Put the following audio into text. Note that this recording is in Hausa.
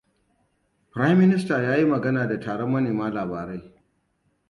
Firayim Minista yayi magana da taron manema labarai.